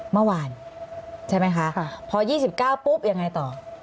เมื่อวานใช่ไหมคะพอ๒๙ปุ๊บยังไงต่อ